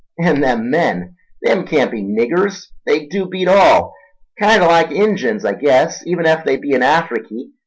And them men—them can't be niggers—they dew beat all. Kinder like Injuns, I guess, even ef they be in Afriky.